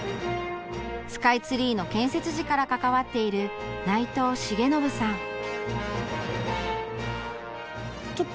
スカイツリーの建設時から関わっている内藤重信さん。